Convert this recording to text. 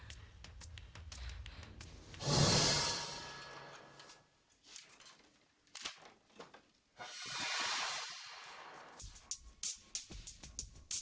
yaudah mama kalau gitu kita berangkat sekarang aja